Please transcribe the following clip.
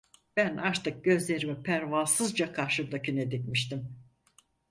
Ben artık gözlerimi pervasızca karşımdakine dikmiştim.